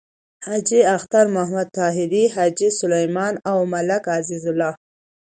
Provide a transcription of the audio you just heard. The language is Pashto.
حاجی اختر محمد طاهري، حاجی سلیمان او ملک عزیز الله…